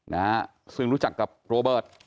นะฮะซึ่งรู้จักกับโรเบิร์ต